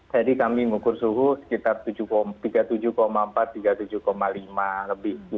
jadi kami mengukur suhu sekitar tiga puluh tujuh empat tiga puluh tujuh lima lebih